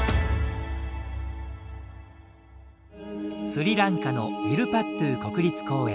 スリランカのウィルパットゥ国立公園。